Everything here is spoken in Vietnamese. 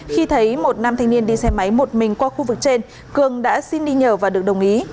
khi thấy một nam thanh niên đi xe máy một mình qua khu vực trên cường đã xin đi nhờ và được đồng ý